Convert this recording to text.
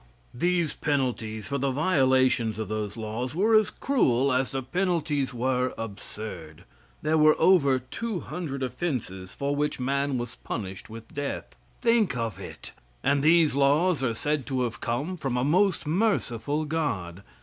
These penalties for the violations of those laws were as cruel as the penalties were absurd. There were over two hundred offenses for which man was punished with death. Think of it! And these laws are said to have come from a most merciful God.